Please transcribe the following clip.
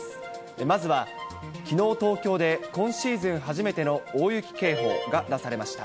まずは、きのう東京で、今シーズン初めての大雪警報が出されました。